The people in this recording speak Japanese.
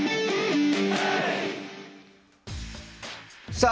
さあ